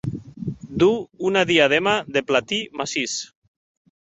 Duu una diadema de platí massís.